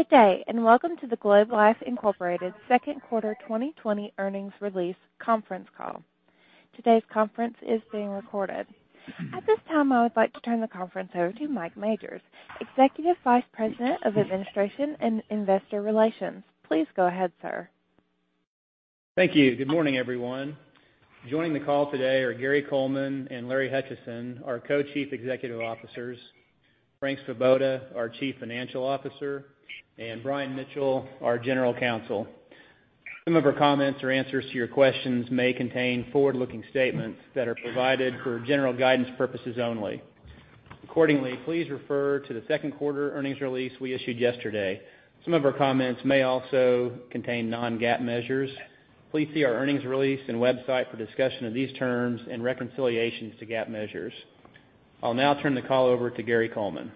Good day. Welcome to the Globe Life Incorporated Second Quarter 2020 Earnings Release Conference Call. Today's conference is being recorded. At this time, I would like to turn the conference over to Mike Majors, Executive Vice President of Administration and Investor Relations. Please go ahead, sir. Thank you. Good morning, everyone. Joining the call today are Gary Coleman and Larry Hutchison, our Co-Chief Executive Officers, Frank Svoboda, our Chief Financial Officer, and Brian Mitchell, our General Counsel. Some of our comments or answers to your questions may contain forward-looking statements that are provided for general guidance purposes only. Accordingly, please refer to the second quarter earnings release we issued yesterday. Some of our comments may also contain non-GAAP measures. Please see our earnings release and website for discussion of these terms and reconciliations to GAAP measures. I'll now turn the call over to Gary Coleman.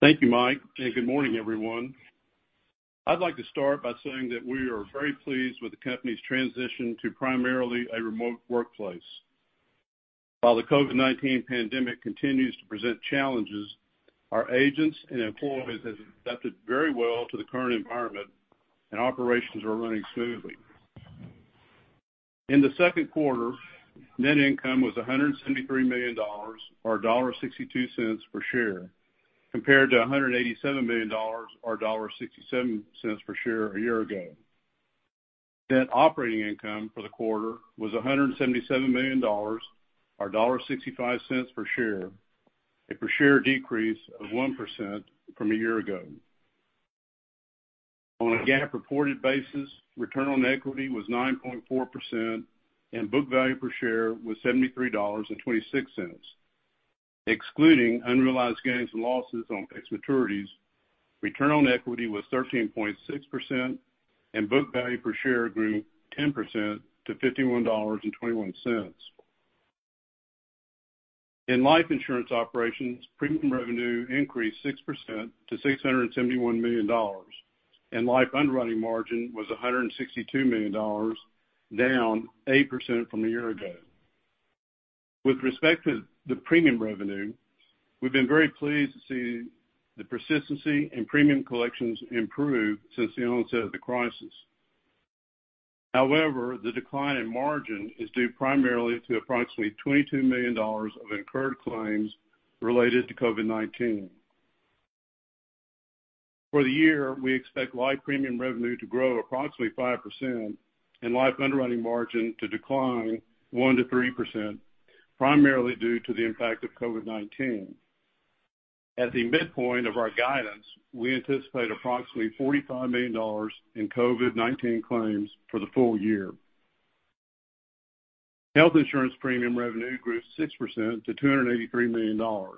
Thank you, Mike. Good morning, everyone. I'd like to start by saying that we are very pleased with the company's transition to primarily a remote workplace. While the COVID-19 pandemic continues to present challenges, our agents and employees have adapted very well to the current environment, and operations are running smoothly. In the second quarter, net income was $173 million, or $1.62 per share, compared to $187 million, or $1.67 per share a year ago. Net operating income for the quarter was $177 million, or $1.65 per share, a per share decrease of 1% from a year ago. On a GAAP reported basis, return on equity was 9.4% and book value per share was $73.26. Excluding unrealized gains and losses on fixed maturities, return on equity was 13.6%, and book value per share grew 10% to $51.21. In life insurance operations, premium revenue increased 6% to $671 million, and life underwriting margin was $162 million, down 8% from a year ago. With respect to the premium revenue, we've been very pleased to see the persistency in premium collections improve since the onset of the crisis. However, the decline in margin is due primarily to approximately $22 million of incurred claims related to COVID-19. For the year, we expect life premium revenue to grow approximately 5% and life underwriting margin to decline 1%-3%, primarily due to the impact of COVID-19. At the midpoint of our guidance, we anticipate approximately $45 million in COVID-19 claims for the full year. Health insurance premium revenue grew 6% to $283 million,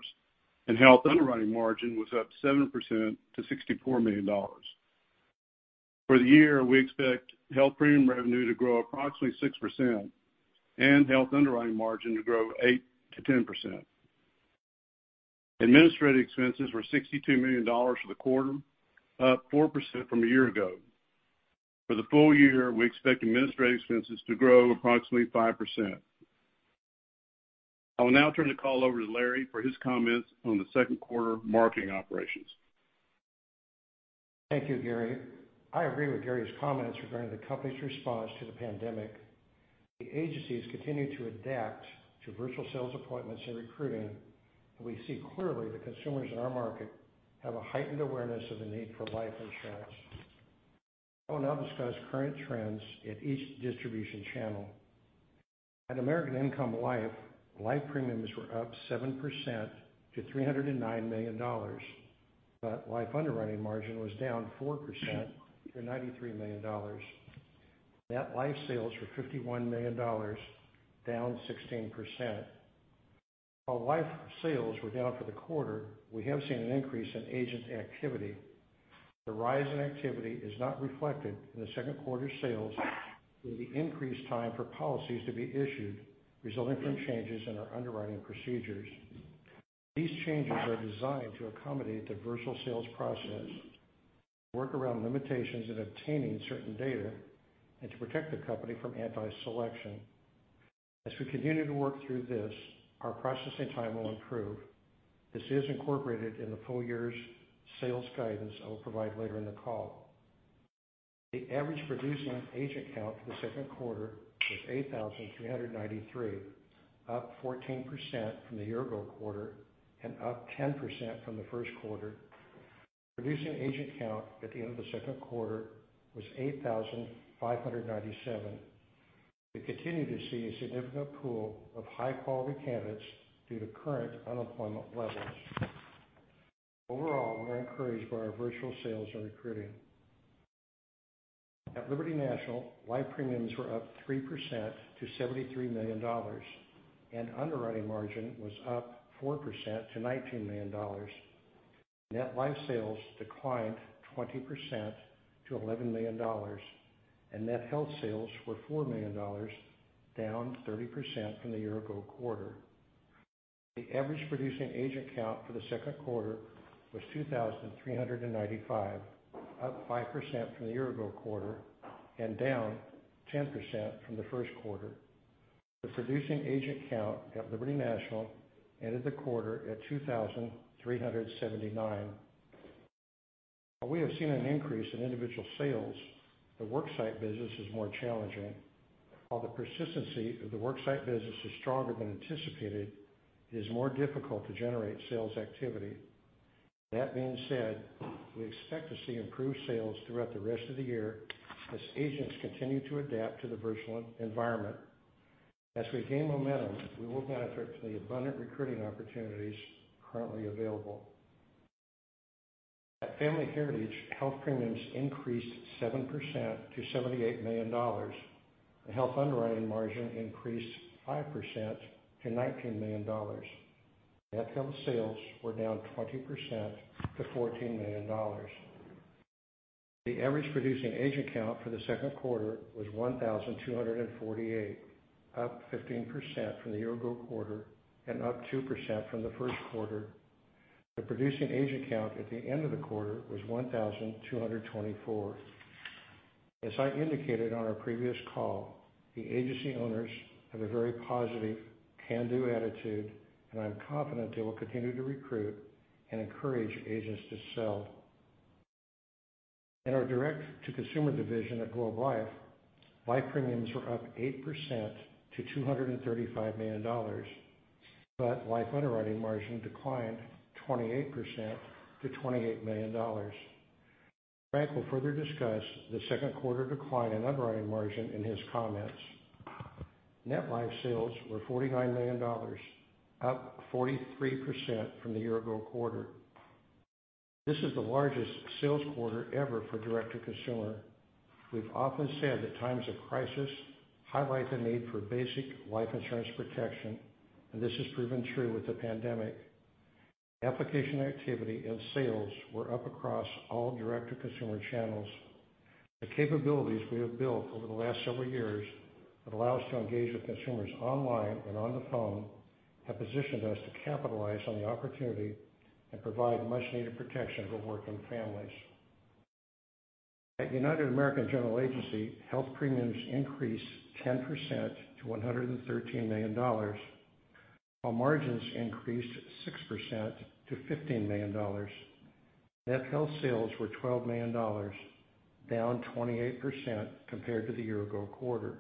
and health underwriting margin was up 7% to $64 million. For the year, we expect health premium revenue to grow approximately 6% and health underwriting margin to grow 8%-10%. Administrative expenses were $62 million for the quarter, up 4% from a year ago. For the full year, we expect administrative expenses to grow approximately 5%. I will now turn the call over to Larry for his comments on the second quarter marketing operations. Thank you, Gary. I agree with Gary's comments regarding the company's response to the pandemic. The agencies continue to adapt to virtual sales appointments and recruiting, and we see clearly that consumers in our market have a heightened awareness of the need for life insurance. I will now discuss current trends at each distribution channel. At American Income Life, life premiums were up 7% to $309 million, but life underwriting margin was down 4% to $93 million. Net life sales were $51 million, down 16%. While life sales were down for the quarter, we have seen an increase in agent activity. The rise in activity is not reflected in the second quarter sales due to the increased time for policies to be issued resulting from changes in our underwriting procedures. These changes are designed to accommodate the virtual sales process, work around limitations in obtaining certain data, and to protect the company from anti-selection. As we continue to work through this, our processing time will improve. This is incorporated in the full year's sales guidance I will provide later in the call. The average producing agent count for the second quarter was 8,393, up 14% from the year-ago quarter and up 10% from the first quarter. Producing agent count at the end of the second quarter was 8,597. We continue to see a significant pool of high-quality candidates due to current unemployment levels. Overall, we're encouraged by our virtual sales and recruiting. At Liberty National, life premiums were up 3% to $73 million, and underwriting margin was up 4% to $19 million. Net life sales declined 20% to $11 million. Net health sales were $4 million, down 30% from the year-ago quarter. The average producing agent count for the second quarter was 2,395, up 5% from the year-ago quarter and down 10% from the first quarter. The producing agent count at Liberty National ended the quarter at 2,379. While we have seen an increase in individual sales, the work site business is more challenging. While the persistency of the work site business is stronger than anticipated, it is more difficult to generate sales activity. That being said, we expect to see improved sales throughout the rest of the year as agents continue to adapt to the virtual environment. As we gain momentum, we will benefit from the abundant recruiting opportunities currently available. At Family Heritage, health premiums increased 7% to $78 million. The health underwriting margin increased 5% to $19 million. Net health sales were down 20% to $14 million. The average producing agent count for the second quarter was 1,248, up 15% from the year-ago quarter and up 2% from the first quarter. The producing agent count at the end of the quarter was 1,224. As I indicated on our previous call, the agency owners have a very positive can-do attitude, I'm confident they will continue to recruit and encourage agents to sell. In our direct-to-consumer division at Globe Life, life premiums were up 8% to $235 million. Life underwriting margin declined 28% to $28 million. Frank will further discuss the second quarter decline in underwriting margin in his comments. Net life sales were $49 million, up 43% from the year-ago quarter. This is the largest sales quarter ever for direct-to-consumer. We've often said that times of crisis highlight the need for basic life insurance protection, and this has proven true with the pandemic. Application activity and sales were up across all direct-to-consumer channels. The capabilities we have built over the last several years that allow us to engage with consumers online and on the phone have positioned us to capitalize on the opportunity and provide much-needed protection for working families. At United American General Agency, health premiums increased 10% to $113 million, while margins increased 6% to $15 million. Net health sales were $12 million, down 28% compared to the year-ago quarter.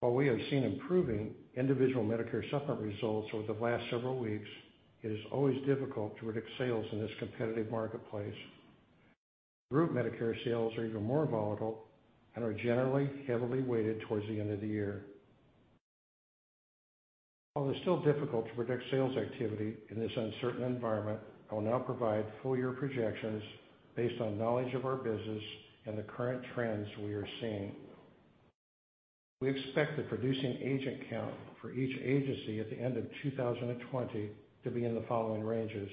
While we have seen improving individual Medicare Supplement results over the last several weeks, it is always difficult to predict sales in this competitive marketplace. Group Medicare sales are even more volatile and are generally heavily weighted towards the end of the year. While it's still difficult to predict sales activity in this uncertain environment, I will now provide full-year projections based on knowledge of our business and the current trends we are seeing. We expect the producing agent count for each agency at the end of 2020 to be in the following ranges: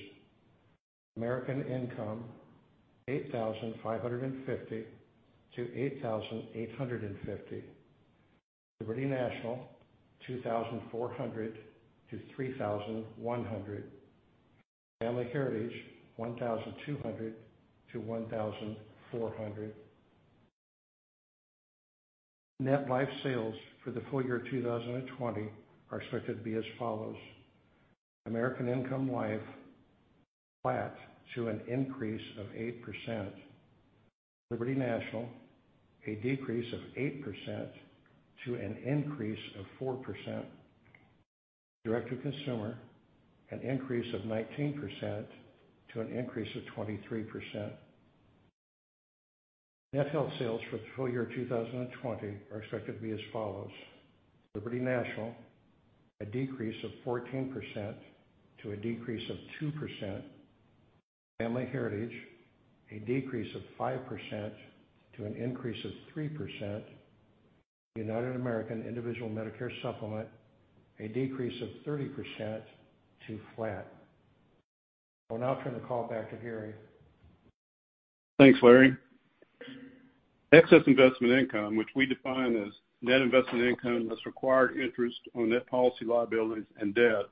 American Income, 8,550-8,850. Liberty National, 2,400-3,100. Family Heritage, 1,200-1,400. Net life sales for the full year 2020 are expected to be as follows: American Income Life, flat to an increase of 8%. Liberty National, a decrease of 8% to an increase of 4%. Direct-to-consumer, an increase of 19% to an increase of 23%. Net health sales for the full year 2020 are expected to be as follows: Liberty National, a decrease of 14% to a decrease of 2%. Family Heritage, a decrease of 5% to an increase of 3%. United American Individual Medicare Supplement, a decrease of 30% to flat. I will now turn the call back to Gary. Thanks, Larry. Excess investment income, which we define as net investment income, less required interest on net policy liabilities and debt,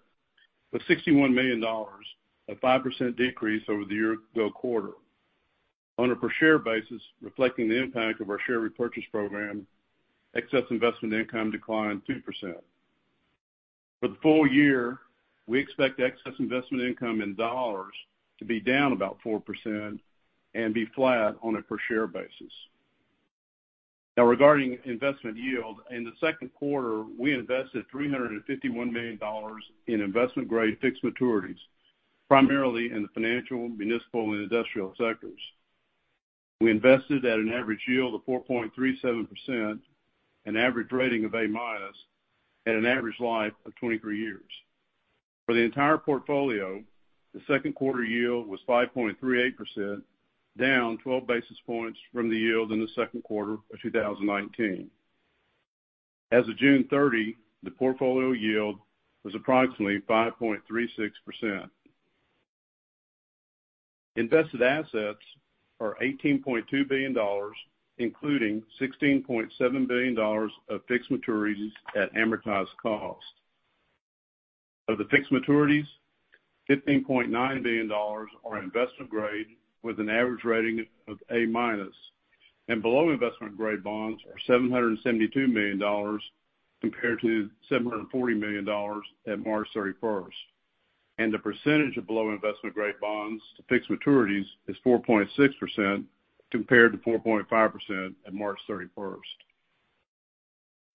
was $61 million, a 5% decrease over the year-ago quarter. On a per share basis, reflecting the impact of our share repurchase program, excess investment income declined 2%. For the full year, we expect excess investment income in dollars to be down about 4% and be flat on a per share basis. Regarding investment yield, in the second quarter, we invested $351 million in investment-grade fixed maturities, primarily in the financial, municipal, and industrial sectors. We invested at an average yield of 4.37%, an average rating of A- at an average life of 23 years. For the entire portfolio, the second quarter yield was 5.38%, down 12 basis points from the yield in the second quarter of 2019. As of June 30, the portfolio yield was approximately 5.36%. Invested assets are $18.2 billion, including $16.7 billion of fixed maturities at amortized cost. Of the fixed maturities, $15.9 billion are investment grade with an average rating of A-, below investment-grade bonds are $772 million compared to $740 million at March 31st. The percentage of below investment-grade bonds to fixed maturities is 4.6% compared to 4.5% at March 31st.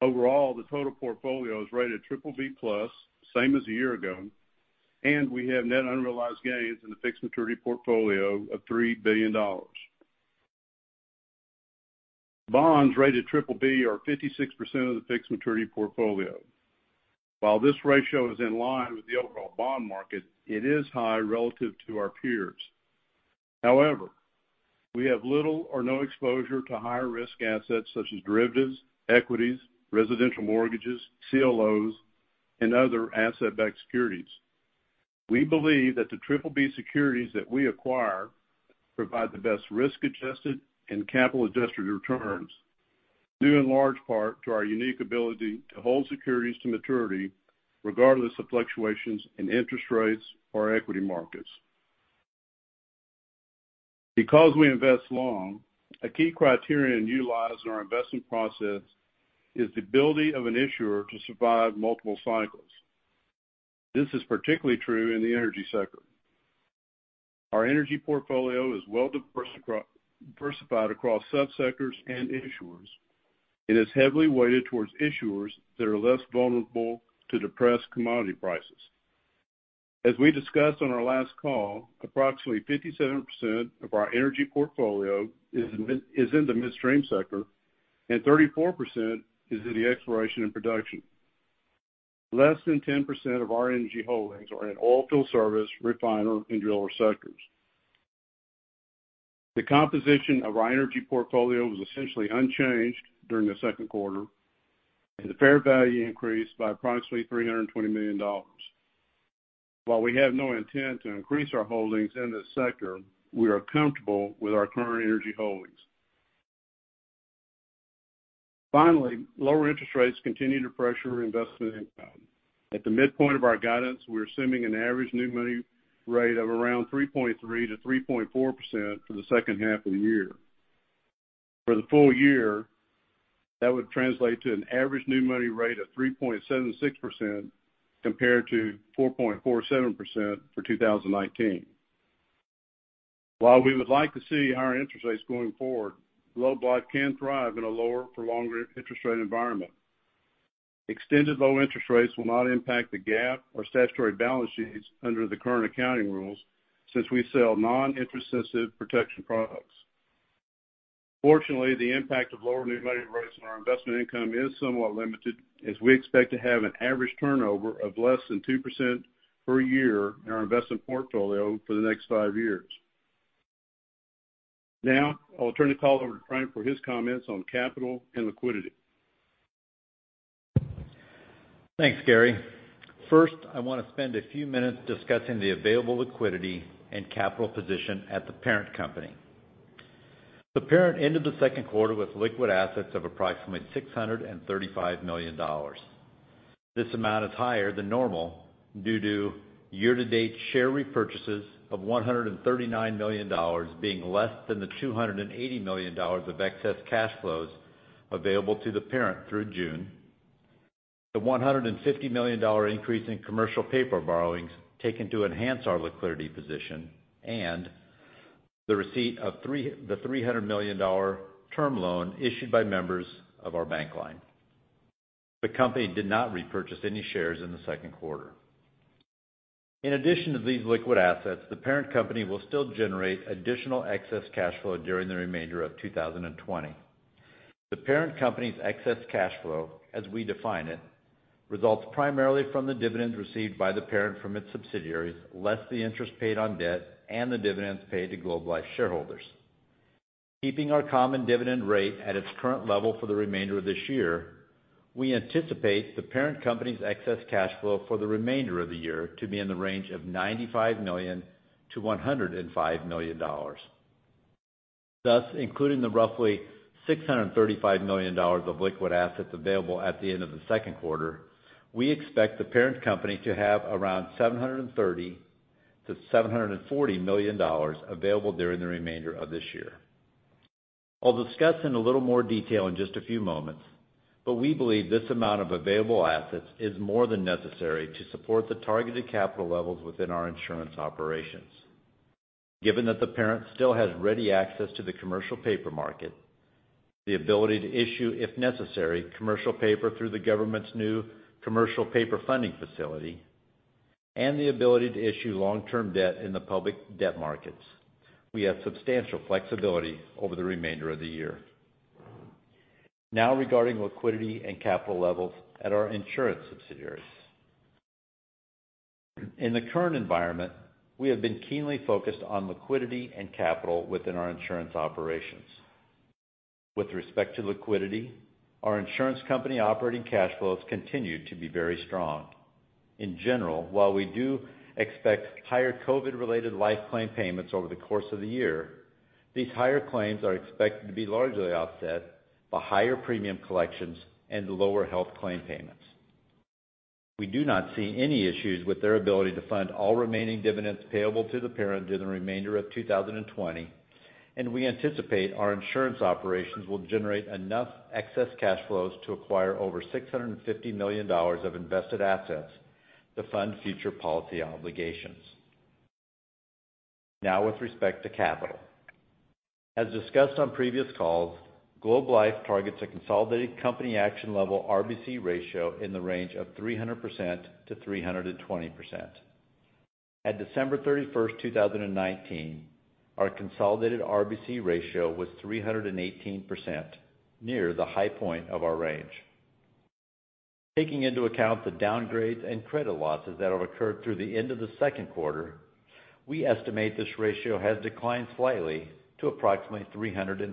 Overall, the total portfolio is rated BBB+, same as a year ago, and we have net unrealized gains in the fixed maturity portfolio of $3 billion. Bonds rated BBB are 56% of the fixed maturity portfolio. While this ratio is in line with the overall bond market, it is high relative to our peers. However, we have little or no exposure to higher-risk assets such as derivatives, equities, residential mortgages, CLOs, and other asset-backed securities. We believe that the BBB securities that we acquire provide the best risk-adjusted and capital-adjusted returns, due in large part to our unique ability to hold securities to maturity regardless of fluctuations in interest rates or equity markets. Because we invest long, a key criterion utilized in our investment process is the ability of an issuer to survive multiple cycles. This is particularly true in the energy sector. Our energy portfolio is well diversified across sub-sectors and issuers and is heavily weighted towards issuers that are less vulnerable to depressed commodity prices. As we discussed on our last call, approximately 57% of our energy portfolio is in the midstream sector and 34% is in the exploration and production. Less than 10% of our energy holdings are in oilfield service, refiner, and driller sectors. The composition of our energy portfolio was essentially unchanged during the second quarter, and the fair value increased by approximately $320 million. While we have no intent to increase our holdings in this sector, we are comfortable with our current energy holdings. Finally, lower interest rates continue to pressure our investment income. At the midpoint of our guidance, we're assuming an average new money rate of around 3.3%-3.4% for the second half of the year. For the full year, that would translate to an average new money rate of 3.76% compared to 4.47% for 2019. While we would like to see higher interest rates going forward, Globe Life can thrive in a lower for longer interest rate environment. Extended low interest rates will not impact the GAAP or statutory balance sheets under the current accounting rules, since we sell non-interest sensitive protection products. Fortunately, the impact of lower new money rates on our investment income is somewhat limited, as we expect to have an average turnover of less than 2% per year in our investment portfolio for the next five years. Now, I'll turn the call over to Frank for his comments on capital and liquidity. Thanks, Gary. First, I want to spend a few minutes discussing the available liquidity and capital position at the parent company. The parent ended the second quarter with liquid assets of approximately $635 million. This amount is higher than normal due to year-to-date share repurchases of $139 million being less than the $280 million of excess cash flows available to the parent through June, the $150 million increase in commercial paper borrowings taken to enhance our liquidity position, and the receipt of the $300 million term loan issued by members of our bank line. The company did not repurchase any shares in the second quarter. In addition to these liquid assets, the parent company will still generate additional excess cash flow during the remainder of 2020. The parent company's excess cash flow, as we define it, results primarily from the dividends received by the parent from its subsidiaries, less the interest paid on debt and the dividends paid to Globe Life shareholders. Keeping our common dividend rate at its current level for the remainder of this year, we anticipate the parent company's excess cash flow for the remainder of the year to be in the range of $95 million-$105 million. Including the roughly $635 million of liquid assets available at the end of the second quarter, we expect the parent company to have around $730 million-$740 million available during the remainder of this year. I'll discuss in a little more detail in just a few moments, but we believe this amount of available assets is more than necessary to support the targeted capital levels within our insurance operations. Given that the parent still has ready access to the commercial paper market, the ability to issue, if necessary, commercial paper through the government's new commercial paper funding facility, and the ability to issue long-term debt in the public debt markets, we have substantial flexibility over the remainder of the year. Regarding liquidity and capital levels at our insurance subsidiaries. In the current environment, we have been keenly focused on liquidity and capital within our insurance operations. With respect to liquidity, our insurance company operating cash flows continued to be very strong. In general, while we do expect higher COVID-related life claim payments over the course of the year. These higher claims are expected to be largely offset by higher premium collections and lower health claim payments. We do not see any issues with their ability to fund all remaining dividends payable to the parent during the remainder of 2020. We anticipate our insurance operations will generate enough excess cash flows to acquire over $650 million of invested assets to fund future policy obligations. With respect to capital. As discussed on previous calls, Globe Life targets a consolidated company action level RBC ratio in the range of 300%-320%. At December 31st, 2019, our consolidated RBC ratio was 318%, near the high point of our range. Taking into account the downgrades and credit losses that have occurred through the end of the second quarter, we estimate this ratio has declined slightly to approximately 312%.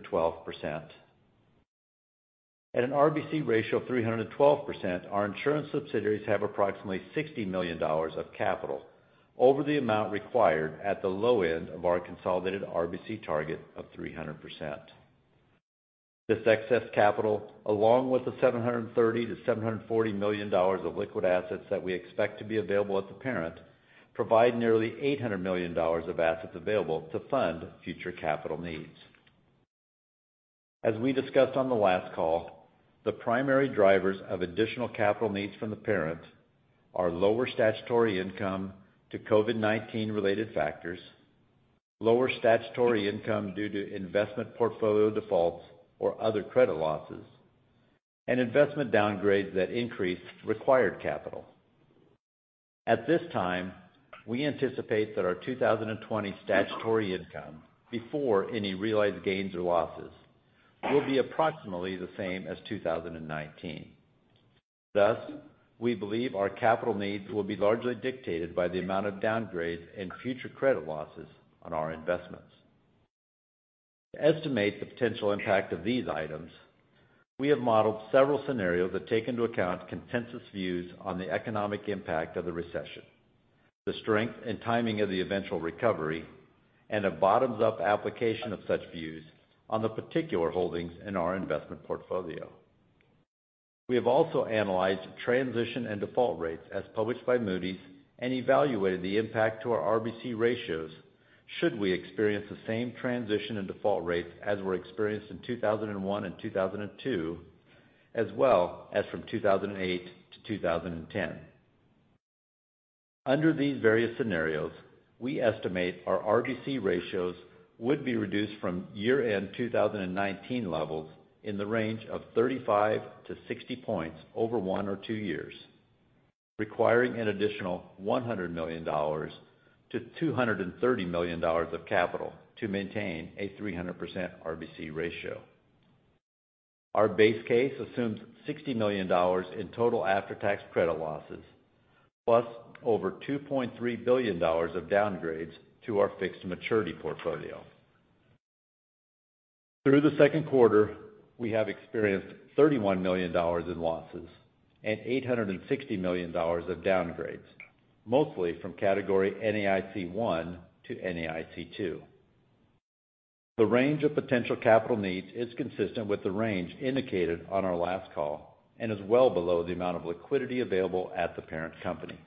At an RBC ratio of 312%, our insurance subsidiaries have approximately $60 million of capital over the amount required at the low end of our consolidated RBC target of 300%. This excess capital, along with the $730 million-$740 million of liquid assets that we expect to be available at the parent, provide nearly $800 million of assets available to fund future capital needs. As we discussed on the last call, the primary drivers of additional capital needs from the parent are lower statutory income to COVID-19 related factors, lower statutory income due to investment portfolio defaults or other credit losses, and investment downgrades that increase required capital. At this time, we anticipate that our 2020 statutory income, before any realized gains or losses, will be approximately the same as 2019. We believe our capital needs will be largely dictated by the amount of downgrades and future credit losses on our investments. To estimate the potential impact of these items, we have modeled several scenarios that take into account consensus views on the economic impact of the recession, the strength and timing of the eventual recovery, and a bottoms-up application of such views on the particular holdings in our investment portfolio. We have also analyzed transition and default rates as published by Moody's and evaluated the impact to our RBC ratios should we experience the same transition and default rates as were experienced in 2001 and 2002, as well as from 2008 to 2010. Under these various scenarios, we estimate our RBC ratios would be reduced from year-end 2019 levels in the range of 35-60 points over one or two years, requiring an additional $100 million-$230 million of capital to maintain a 300% RBC ratio. Our base case assumes $60 million in total after-tax credit losses, plus over $2.3 billion of downgrades to our fixed maturity portfolio. Through the second quarter, we have experienced $31 million in losses and $860 million of downgrades, mostly from category NAIC-1 to NAIC-2. The range of potential capital needs is consistent with the range indicated on our last call and is well below the amount of liquidity available at the parent company.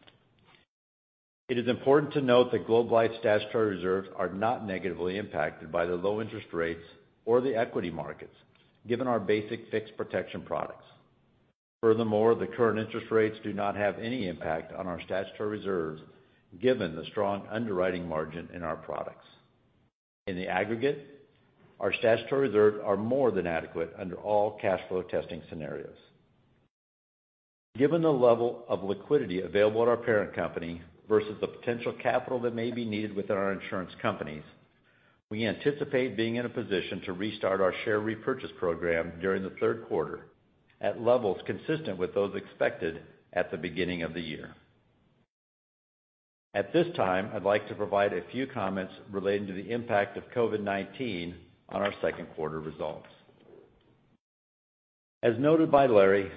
It is important to note that Globe Life's statutory reserves are not negatively impacted by the low interest rates or the equity markets, given our basic fixed protection products. Furthermore, the current interest rates do not have any impact on our statutory reserves, given the strong underwriting margin in our products. In the aggregate, our statutory reserves are more than adequate under all cash flow testing scenarios. Given the level of liquidity available at our parent company versus the potential capital that may be needed within our insurance companies, we anticipate being in a position to restart our share repurchase program during the third quarter at levels consistent with those expected at the beginning of the year. At this time, I'd like to provide a few comments relating to the impact of COVID-19 on our second quarter results. As noted by Larry,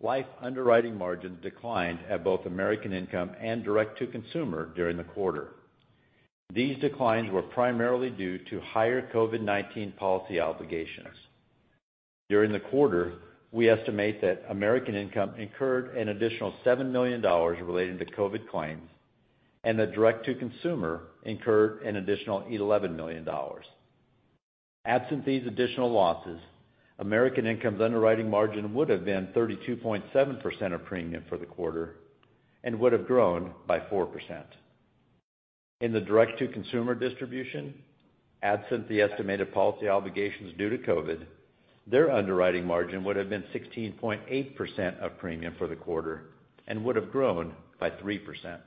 life underwriting margins declined at both American Income and Direct to Consumer during the quarter. These declines were primarily due to higher COVID-19 policy obligations. During the quarter, we estimate that American Income incurred an additional $7 million relating to COVID claims and that Direct to Consumer incurred an additional $11 million. Absent these additional losses, American Income's underwriting margin would have been 32.7% of premium for the quarter and would have grown by 4%. In the direct-to-consumer distribution, absent the estimated policy obligations due to COVID-19, their underwriting margin would have been 16.8% of premium for the quarter and would have grown by 3%.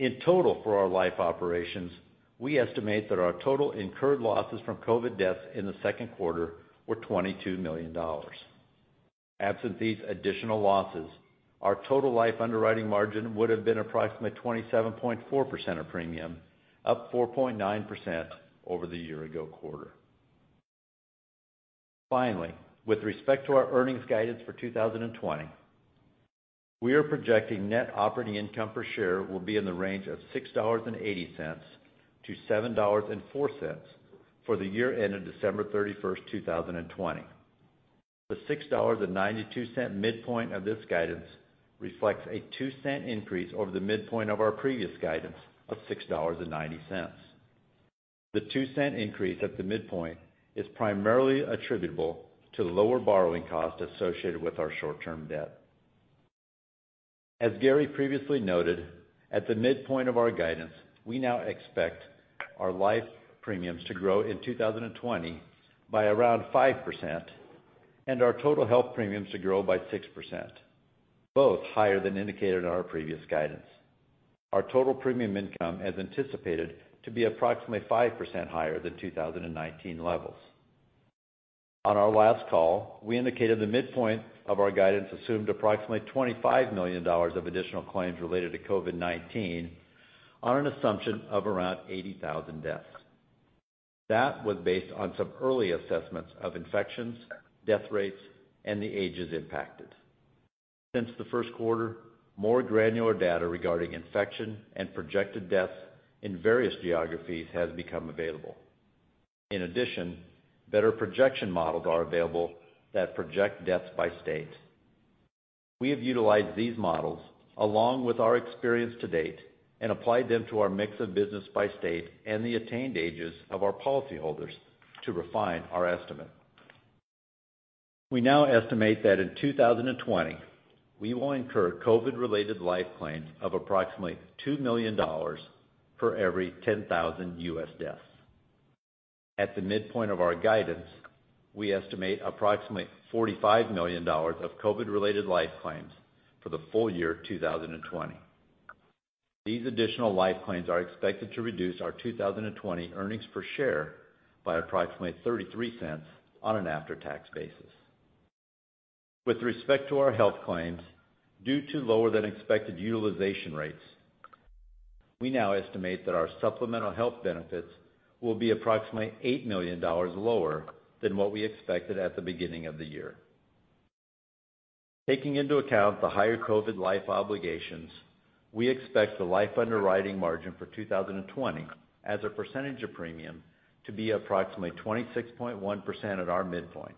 In total for our Life operations, we estimate that our total incurred losses from COVID-19 deaths in the second quarter were $22 million. Absent these additional losses, our total Life underwriting margin would have been approximately 27.4% of premium, up 4.9% over the year-ago quarter. With respect to our earnings guidance for 2020, we are projecting net operating income per share will be in the range of $6.80-$7.04 for the year ending December 31st, 2020. The $6.92 midpoint of this guidance reflects a $0.02 increase over the midpoint of our previous guidance of $6.90. The $0.02 increase at the midpoint is primarily attributable to the lower borrowing cost associated with our short-term debt. As Gary previously noted, at the midpoint of our guidance, we now expect our life premiums to grow in 2020 by around 5%, and our total health premiums to grow by 6%, both higher than indicated in our previous guidance. Our total premium income is anticipated to be approximately 5% higher than 2019 levels. On our last call, we indicated the midpoint of our guidance assumed approximately $25 million of additional claims related to COVID-19 on an assumption of around 80,000 deaths. That was based on some early assessments of infections, death rates, and the ages impacted. Since the first quarter, more granular data regarding infection and projected deaths in various geographies has become available. In addition, better projection models are available that project deaths by state. We have utilized these models along with our experience to date and applied them to our mix of business by state and the attained ages of our policy holders to refine our estimate. We now estimate that in 2020, we will incur COVID related life claims of approximately $2 million for every 10,000 U.S. deaths. At the midpoint of our guidance, we estimate approximately $45 million of COVID related life claims for the full year 2020. These additional life claims are expected to reduce our 2020 earnings per share by approximately $0.33 on an after-tax basis. With respect to our health claims, due to lower than expected utilization rates, we now estimate that our supplemental health benefits will be approximately $8 million lower than what we expected at the beginning of the year. Taking into account the higher COVID-19 life obligations, we expect the life underwriting margin for 2020 as a percentage of premium to be approximately 26.1% at our midpoint,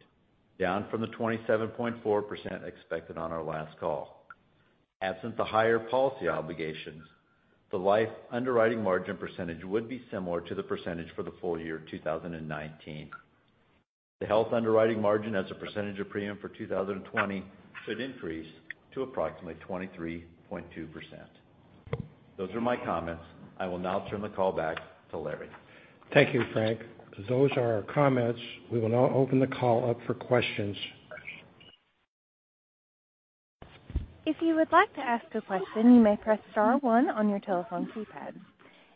down from the 27.4% expected on our last call. Absent the higher policy obligations, the life underwriting margin percentage would be similar to the percentage for the full year 2019. The health underwriting margin as a percentage of premium for 2020 should increase to approximately 23.2%. Those are my comments. I will now turn the call back to Larry. Thank you, Frank. Those are our comments. We will now open the call up for questions. If you would like to ask a question, you may press star one on your telephone keypad.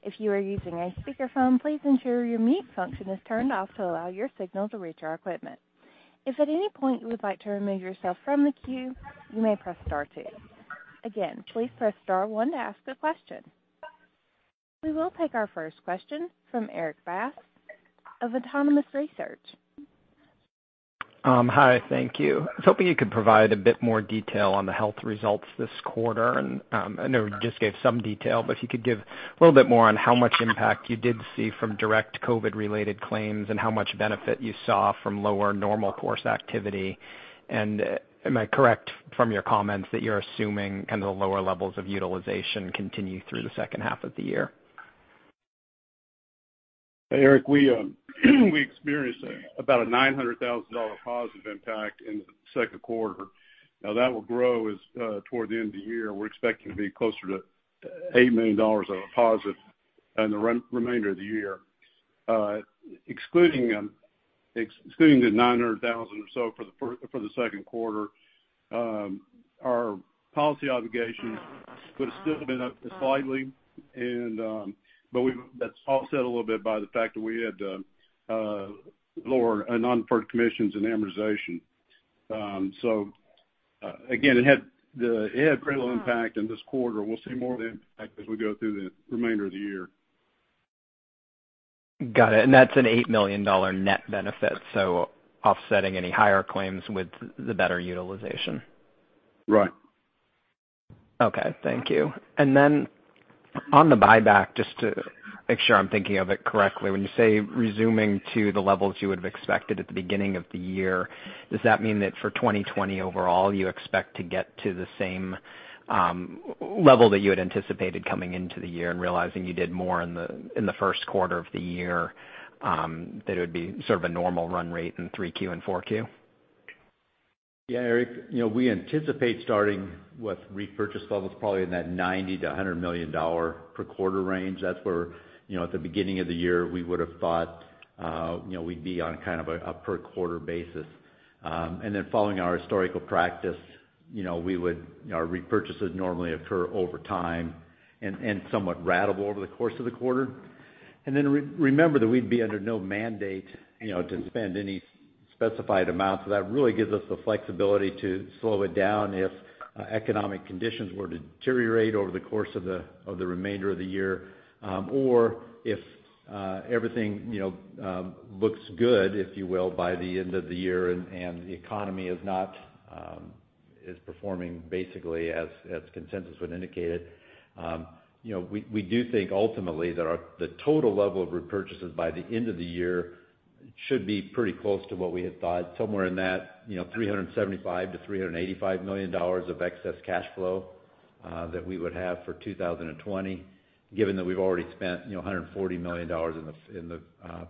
If you are using a speakerphone, please ensure your mute function is turned off to allow your signal to reach our equipment. If at any point you would like to remove yourself from the queue, you may press star two. Again, please press star star to ask a question. We will take our first question from Erik Bass of Autonomous Research. Hi, thank you. I was hoping you could provide a bit more detail on the health results this quarter. I know you just gave some detail, but if you could give a little bit more on how much impact you did see from direct COVID-19 related claims and how much benefit you saw from lower normal course activity. Am I correct from your comments that you're assuming kind of the lower levels of utilization continue through the second half of the year? Hey, Erik, we experienced about a $900,000 positive impact in the second quarter. That will grow toward the end of the year. We're expecting to be closer to $8 million of a positive in the remainder of the year. Excluding the $900,000 or so for the second quarter, our policy obligations would have still been up slightly, but that's offset a little bit by the fact that we had lower non-deferred commissions and amortization. Again, it had little impact in this quarter. We'll see more of the impact as we go through the remainder of the year. Got it. That's an $8 million net benefit, so offsetting any higher claims with the better utilization. Right. Okay, thank you. On the buyback, just to make sure I'm thinking of it correctly. When you say resuming to the levels you would've expected at the beginning of the year, does that mean that for 2020 overall, you expect to get to the same level that you had anticipated coming into the year and realizing you did more in the first quarter of the year, that it would be sort of a normal run rate in Q3 and Q4? Erik, we anticipate starting with repurchase levels probably in that $90 million-$100 million per quarter range. That's where at the beginning of the year, we would've thought we'd be on kind of a per quarter basis. Following our historical practice, our repurchases normally occur over time and somewhat ratable over the course of the quarter. Remember that we'd be under no mandate to spend any specified amount, that really gives us the flexibility to slow it down if economic conditions were to deteriorate over the course of the remainder of the year, or if everything looks good, if you will, by the end of the year and the economy is not performing basically as consensus would indicated. We do think ultimately that the total level of repurchases by the end of the year should be pretty close to what we had thought, somewhere in that $375 million-$385 million of excess cash flow that we would have for 2020. Given that we've already spent $140 million in the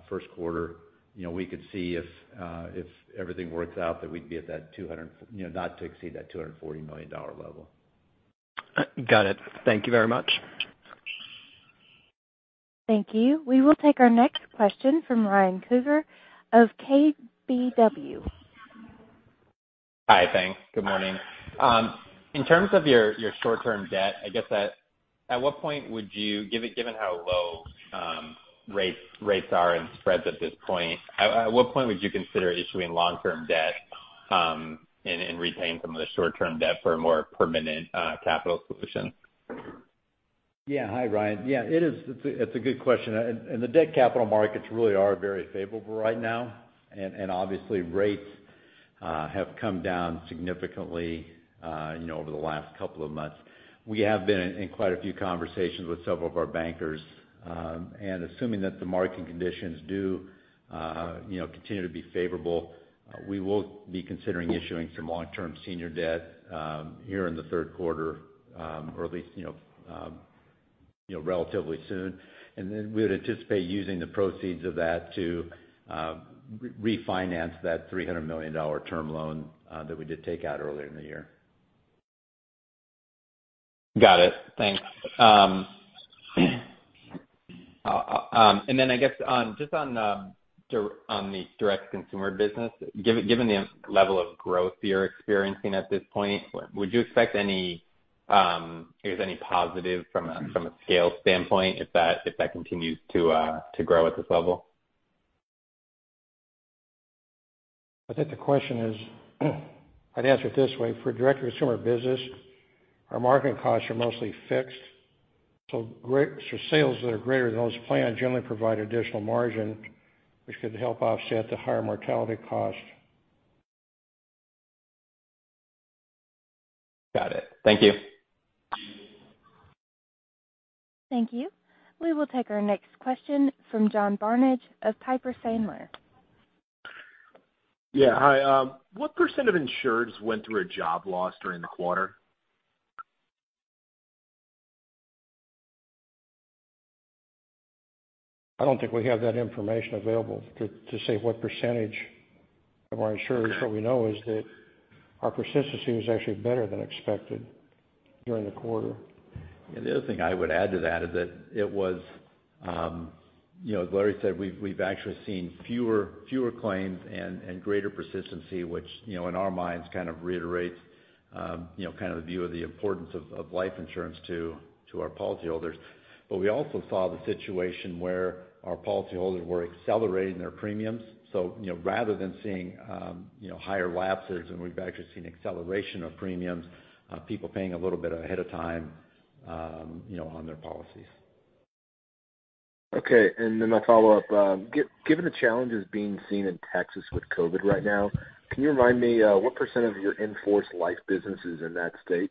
first quarter, we could see if everything works out that we'd be at that $200 million, not to exceed that $240 million level. Got it. Thank you very much. Thank you. We will take our next question from Ryan Krueger of KBW. Hi. Thanks. Good morning. In terms of your short-term debt, I guess at what point would you, given how low rates are and spreads at this point, at what point would you consider issuing long-term debt and retain some of the short-term debt for a more permanent capital solution? Hi, Ryan. It's a good question. The debt capital markets really are very favorable right now, and obviously rates have come down significantly over the last couple of months. We have been in quite a few conversations with several of our bankers, and assuming that the market conditions do continue to be favorable, we will be considering issuing some long-term senior debt here in the third quarter, or at least, relatively soon. We would anticipate using the proceeds of that to refinance that $300 million term loan that we did take out earlier in the year. Got it. Thanks. I guess, just on the direct-to-consumer business, given the level of growth you're experiencing at this point, would you expect any, I guess, any positive from a scale standpoint if that continues to grow at this level? I think the question is, I'd answer it this way. For direct-to-consumer business, our marketing costs are mostly fixed, so sales that are greater than those planned generally provide additional margin, which could help offset the higher mortality cost. Got it. Thank you. Thank you. We will take our next question from John Barnidge of Piper Sandler. Yeah. Hi. What percent of insureds went through a job loss during the quarter? I don't think we have that information available to say what percentage of our insureds. What we know is that our persistency was actually better than expected during the quarter. The other thing I would add to that is that it was, as Larry said, we've actually seen fewer claims and greater persistency, which, in our minds kind of reiterates kind of the view of the importance of life insurance to our policyholders. We also saw the situation where our policyholders were accelerating their premiums. Rather than seeing higher lapses, and we've actually seen acceleration of premiums, people paying a little bit ahead of time on their policies. Okay, my follow-up. Given the challenges being seen in Texas with COVID right now, can you remind me what percent of your in-force life business is in that state?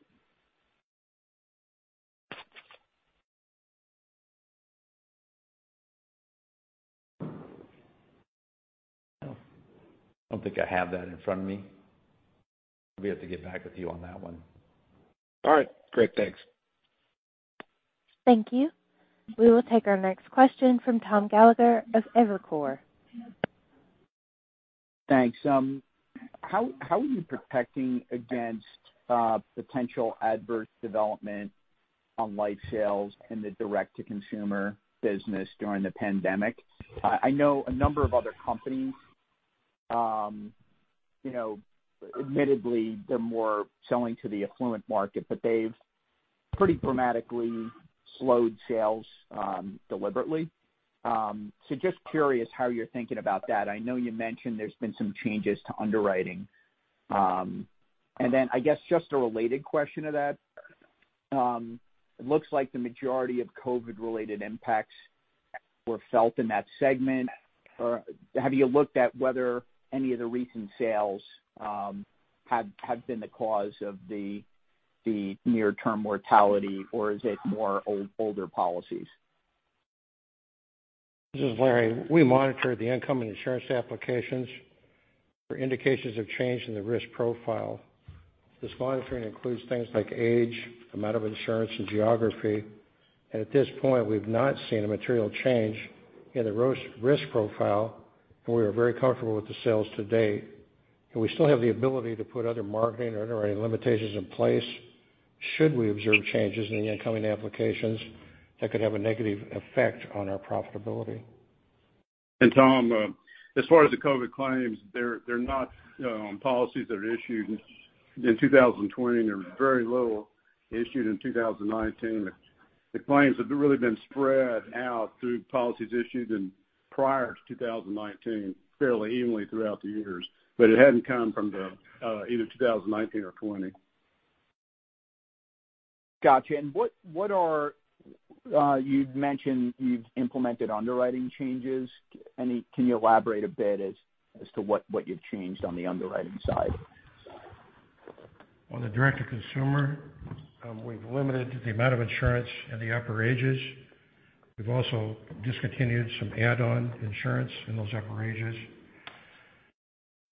I don't think I have that in front of me. We'll have to get back with you on that one. All right, great. Thanks. Thank you. We will take our next question from Tom Gallagher of Evercore. Thanks. How are you protecting against potential adverse development on life sales in the direct-to-consumer business during the pandemic? I know a number of other companies, admittedly, they're more selling to the affluent market, but they've pretty dramatically slowed sales deliberately. Just curious how you're thinking about that. I know you mentioned there's been some changes to underwriting. I guess just a related question to that, it looks like the majority of COVID-related impacts were felt in that segment. Have you looked at whether any of the recent sales have been the cause of the near-term mortality, or is it more older policies? This is Larry. We monitor the incoming insurance applications for indications of change in the risk profile. This monitoring includes things like age, amount of insurance, and geography. At this point, we've not seen a material change in the risk profile, and we are very comfortable with the sales to date. We still have the ability to put other marketing or underwriting limitations in place should we observe changes in the incoming applications that could have a negative effect on our profitability. Tom, as far as the COVID claims, they're not on policies that are issued in 2020, and they're very low issued in 2019. The claims have really been spread out through policies issued in prior to 2019, fairly evenly throughout the years. It hadn't come from either 2019 or 2020. Got you. You'd mentioned you've implemented underwriting changes. Can you elaborate a bit as to what you've changed on the underwriting side? On the direct-to-consumer, we've limited the amount of insurance in the upper ages. We've also discontinued some add-on insurance in those upper ages.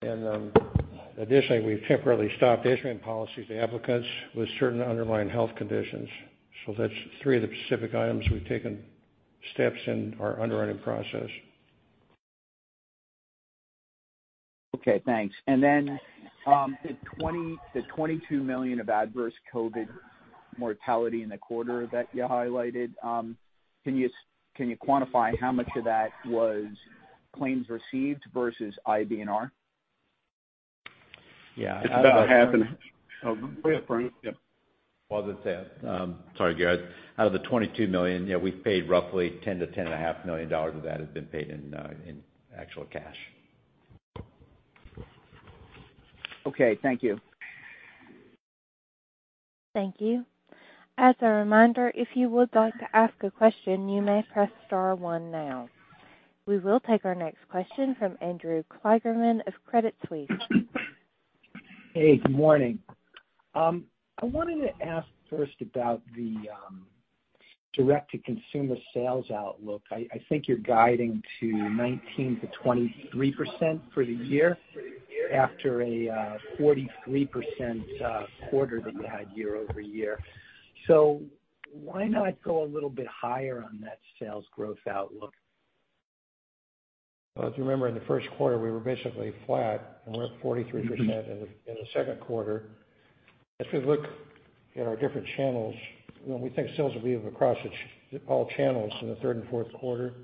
Additionally, we've temporarily stopped issuing policies to applicants with certain underlying health conditions. That's three of the specific items we've taken steps in our underwriting process. Okay, thanks. The $22 million of adverse COVID mortality in the quarter that you highlighted, can you quantify how much of that was claims received versus IBNR? Yeah. It's about half. Oh, go ahead, Frank. Yeah. Wasn't that. Sorry, Gary. Out of the $22 million, we've paid roughly $10 million-$10.5 million of that has been paid in actual cash. Okay, thank you. Thank you. As a reminder, if you would like to ask a question, you may press star one now. We will take our next question from Andrew Kligerman of Credit Suisse. Hey, good morning. I wanted to ask first about the direct-to-consumer sales outlook. I think you're guiding to 19%-23% for the year after a 43% quarter that you had year-over-year. Why not go a little bit higher on that sales growth outlook? Well, if you remember, in the first quarter, we were basically flat, and we're up 43% in the second quarter. If you look at our different channels, we think sales will be up across all channels in the third and fourth quarter.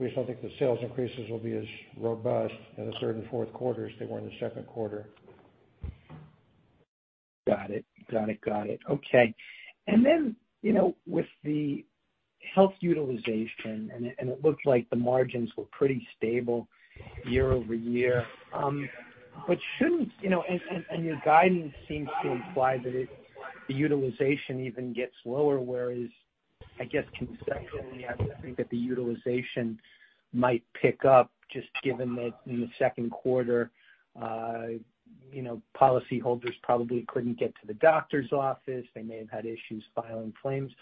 We just don't think the sales increases will be as robust in the third and fourth quarters they were in the second quarter. Got it. Okay. With the health utilization, it looked like the margins were pretty stable year-over-year. Your guidance seems to imply that the utilization even gets lower, whereas I guess conceptually, I would think that the utilization might pick up just given that in the second quarter, policyholders probably couldn't get to the doctor's office. They may have had issues filing claims.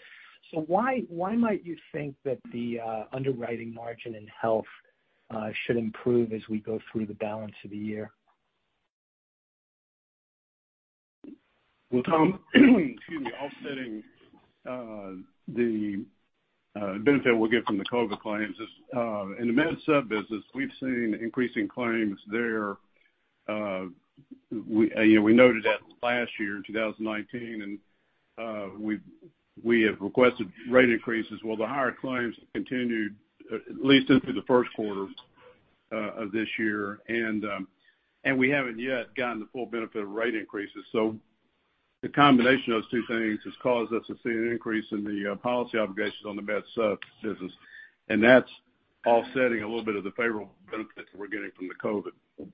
Why might you think that the underwriting margin in health should improve as we go through the balance of the year? Well, Tom, excuse me, offsetting the benefit we'll get from the COVID claims is, in the Med Supp business, we've seen increasing claims there. We noted that last year in 2019, we have requested rate increases, while the higher claims have continued at least into the first quarter of this year. We haven't yet gotten the full benefit of rate increases. The combination of those two things has caused us to see an increase in the policy obligations on the Med Supp business, that's offsetting a little bit of the favorable benefits that we're getting from the COVID.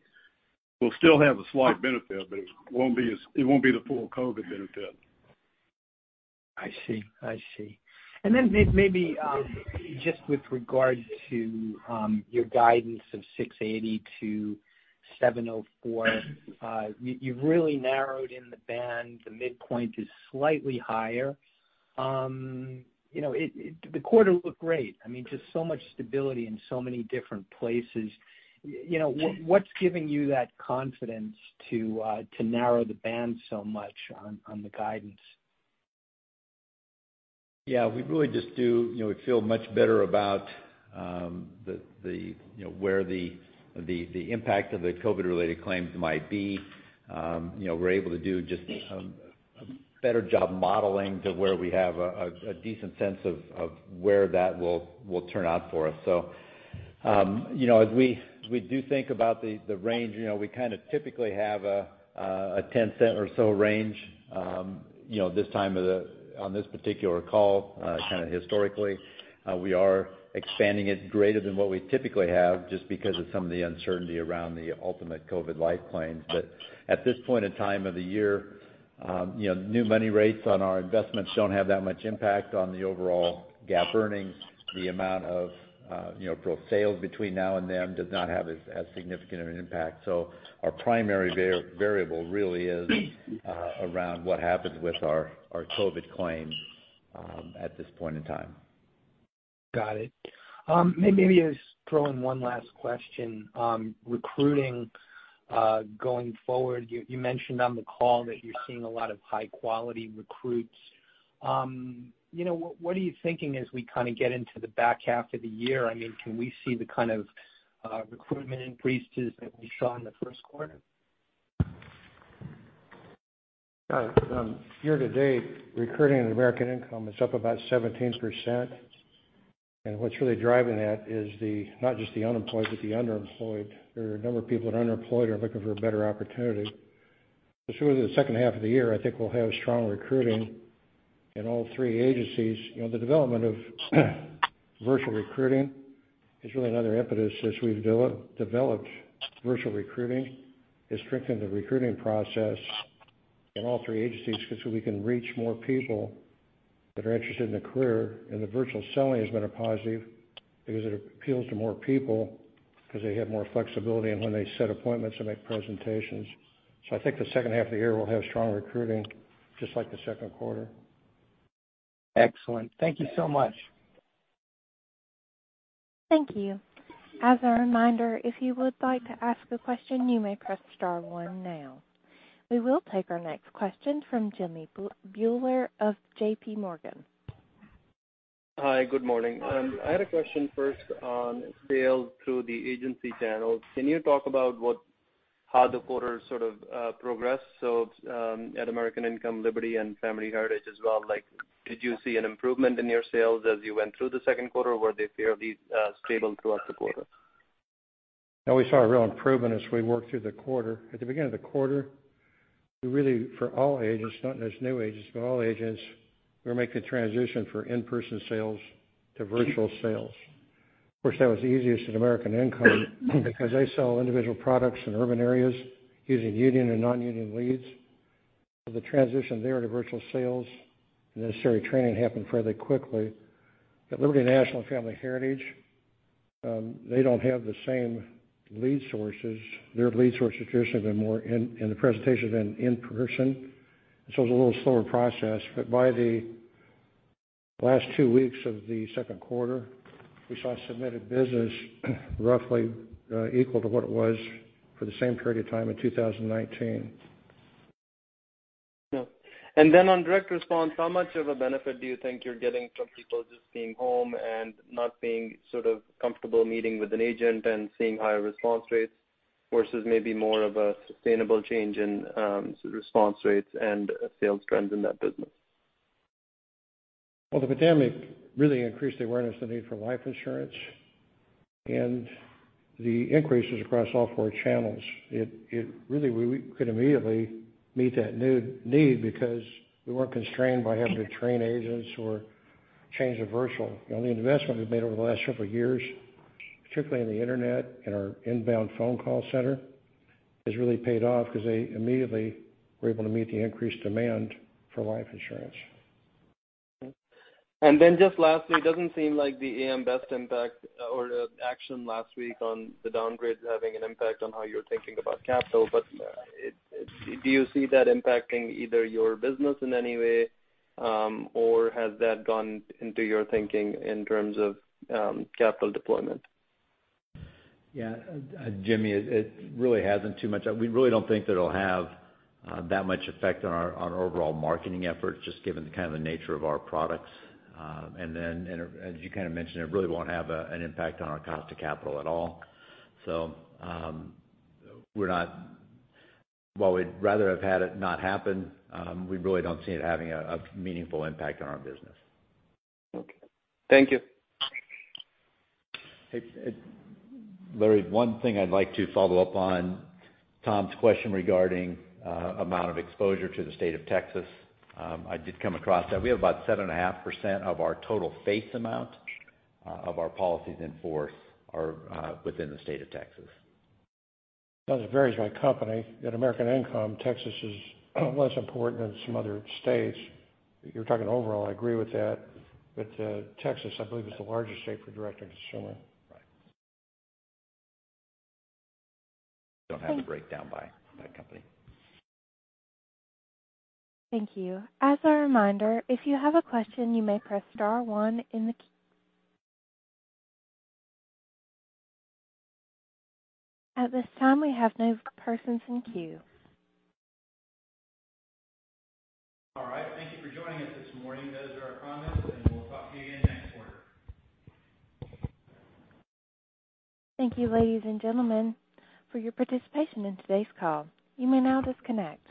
We'll still have a slight benefit, it won't be the full COVID benefit. I see. Then maybe just with regard to your guidance of $6.80-$7.04, you've really narrowed in the band. The midpoint is slightly higher. The quarter looked great. I mean, just so much stability in so many different places. What's giving you that confidence to narrow the band so much on the guidance? Yeah, we feel much better about where the impact of the COVID-related claims might be. We're able to do just a better job modeling to where we have a decent sense of where that will turn out for us. As we do think about the range, we kind of typically have a $0.10 or so range this time on this particular call, kind of historically. We are expanding it greater than what we typically have just because of some of the uncertainty around the ultimate COVID life claims. At this point in time of the year, new money rates on our investments don't have that much impact on the overall GAAP earnings. The amount of sales between now and then does not have as significant of an impact. Our primary variable really is around what happens with our COVID claims at this point in time. Got it. Maybe just throw in one last question. Recruiting going forward, you mentioned on the call that you're seeing a lot of high-quality recruits. What are you thinking as we kind of get into the back half of the year? I mean, can we see the kind of recruitment increases that we saw in the first quarter? Year-to-date, recruiting in American Income is up about 17%, and what's really driving that is not just the unemployed, but the underemployed. There are a number of people that are underemployed are looking for a better opportunity. As soon as the second half of the year, I think we'll have strong recruiting in all three agencies. It's really another impetus as we've developed virtual recruiting, is strengthen the recruiting process in all three agencies, because we can reach more people that are interested in a career. The virtual selling has been a positive because it appeals to more people, because they have more flexibility in when they set appointments and make presentations. I think the second half of the year will have strong recruiting, just like the second quarter. Excellent. Thank you so much. Thank you. As a reminder, if you would like to ask a question, you may press star one now. We will take our next question from Jimmy Bhullar of JPMorgan. Hi, good morning. I had a question first on sales through the agency channels. Can you talk about how the quarter sort of progressed? At American Income, Liberty, and Family Heritage as well, did you see an improvement in your sales as you went through the second quarter, or were they fairly stable throughout the quarter? We saw a real improvement as we worked through the quarter. At the beginning of the quarter, we really, for all agents, not just new agents, but all agents, were making the transition from in-person sales to virtual sales. That was easiest at American Income because they sell individual products in urban areas using union and non-union leads. The transition there to virtual sales and necessary training happened fairly quickly. At Liberty National and Family Heritage, they don't have the same lead sources. Their lead sources traditionally have been more in the presentation than in person. It was a little slower process, but by the last two weeks of the second quarter, we saw submitted business roughly equal to what it was for the same period of time in 2019. On direct response, how much of a benefit do you think you're getting from people just being home and not being comfortable meeting with an agent and seeing higher response rates versus maybe more of a sustainable change in response rates and sales trends in that business? Well, the pandemic really increased the awareness and need for life insurance and the increases across all four channels. Really, we could immediately meet that need because we weren't constrained by having to train agents or change to virtual. The investment we've made over the last several years, particularly in the internet and our inbound phone call center, has really paid off because they immediately were able to meet the increased demand for life insurance. Just lastly, it doesn't seem like the AM Best impact or the action last week on the downgrade is having an impact on how you're thinking about capital. Do you see that impacting either your business in any way? Has that gone into your thinking in terms of capital deployment? Yeah, Jimmy, it really hasn't too much. We really don't think that it'll have that much effect on our overall marketing efforts, just given the nature of our products. As you kind of mentioned, it really won't have an impact on our cost of capital at all. While we'd rather have had it not happen, we really don't see it having a meaningful impact on our business. Okay. Thank you. Larry, one thing I'd like to follow up on Tom's question regarding amount of exposure to the state of Texas. I did come across that. We have about 7.5% of our total face amount of our policies in force are within the state of Texas. It varies by company. At American Income, Texas is less important than some other states. You're talking overall, I agree with that. Texas, I believe, is the largest state for direct-to-consumer. Right. Don't have the breakdown by company. Thank you. As a reminder, if you have a question, you may press star one in the queue. At this time, we have no persons in queue. All right. Thank you for joining us this morning. Those are our comments. We'll talk to you again next quarter. Thank you, ladies and gentlemen, for your participation in today's call. You may now disconnect.